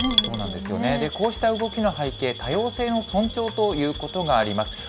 こうした動きの背景、多様性の尊重ということがあります。